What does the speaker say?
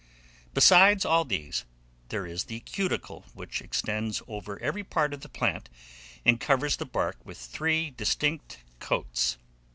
Besides all these, there is the cuticle, which extends over every part of the plant, and covers the bark with three distinct coats.